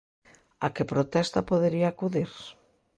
A que protesta podería acudir?